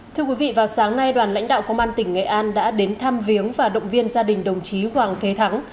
thưa quý vị vào sáng nay đoàn lãnh đạo công an tỉnh nghệ an đã đến tham viếng và động viên gia đình đồng chí hoàng thế thắng